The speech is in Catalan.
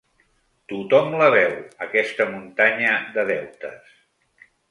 Tothom la veu, aquesta muntanya de deutes.